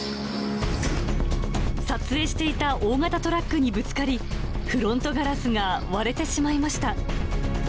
撮影していた大型トラックにぶつかり、フロントガラスが割れてしまいました。